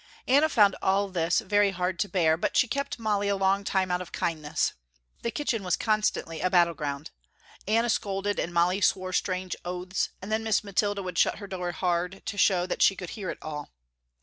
Anna found all this very hard to bear, but she kept Molly a long time out of kindness. The kitchen was constantly a battle ground. Anna scolded and Molly swore strange oaths, and then Miss Mathilda would shut her door hard to show that she could hear it all.